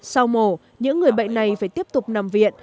sau mổ những người bệnh này phải tiếp tục nằm viện